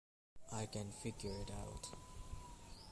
I can't figure it out!